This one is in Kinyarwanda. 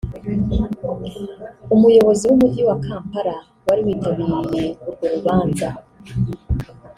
Umuyobozi w’Umujyi wa Kampala wari witabiriye urwo rubanza